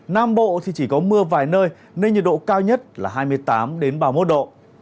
nam bộ thì chỉ có mưa vài nơi nên nhiệt độ cao nhất là hai mươi tám ba mươi một độ